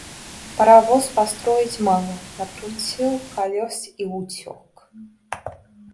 Паровоз построить мало — накрутил колес и утек.